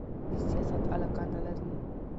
د سیاست علاقه نه لري